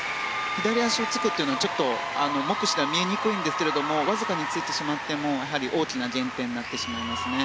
左足をつくというのはちょっと目視では見えにくいんですがわずかについてしまってもやはり大きな減点になってしまいますね。